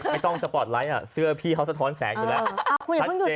ไม่ต้องสปอร์ตไลท์เสื้อพี่เขาสะท้อนแสงอยู่แล้วชัดเจน